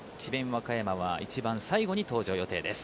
和歌山は一番最後に登場予定です。